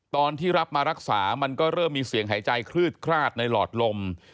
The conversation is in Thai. ตอนที่รับมารักษามันก็เริ่มมีเสียงหายใจคลืดคลาดในหลอดลม